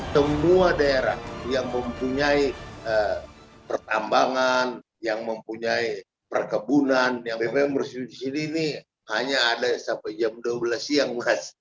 semua daerah yang mempunyai pertambangan yang mempunyai perkebunan yang memanfaatkan solar bersubsidi ini hanya ada sampai jam dua belas siang